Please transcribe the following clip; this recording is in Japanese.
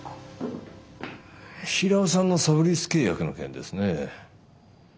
平尾さんのサブリース契約の件ですね。